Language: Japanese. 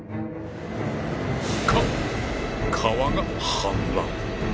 か川が氾濫！